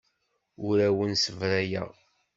Ur awen-ssebrayeɣ.